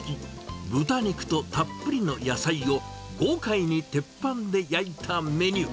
豚肉とたっぷりの野菜を、豪快に鉄板で焼いたメニュー。